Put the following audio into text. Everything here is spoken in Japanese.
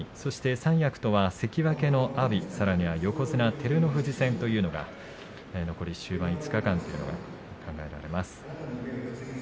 三役とは関脇の阿炎さらに横綱照ノ富士戦というのが終盤５日間に考えられます。